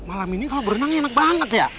malam ini kalau berenang enak banget ya